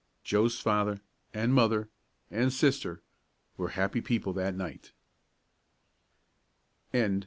Joe's father and mother and sister were happy people that night. THE END.